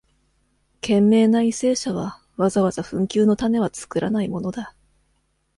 賢明な為政者は、わざわざ紛糾のタネはつくらないものだ。